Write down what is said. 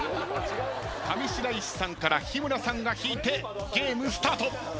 上白石さんから日村さんが引いてゲームスタート！